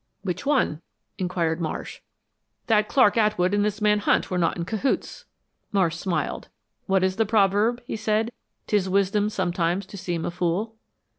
"Which one?" inquired Marsh. "That Clark Atwood and this man Hunt were not in cahoots." Marsh smiled. "What is the proverb?" he said. "'Tis wisdom sometimes to seem a fool.'"